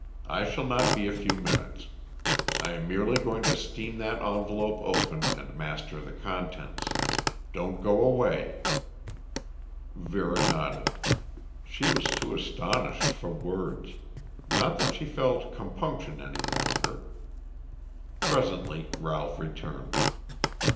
"I shall not be a few minutes. I am merely going to steam that envelope open and master the contents. Don't go away." Vera nodded. She was too astonished for words; not that she felt compunction any longer. Presently Ralph returned.